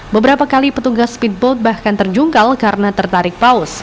beberapa kali petugas speedboat bahkan terjungkal karena tertarik paus